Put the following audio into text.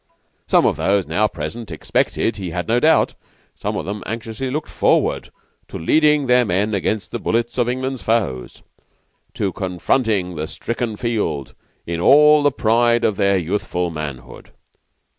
Some of those now present expected, he had no doubt some of them anxiously looked forward to leading their men against the bullets of England's foes; to confronting the stricken field in all the pride of their youthful manhood.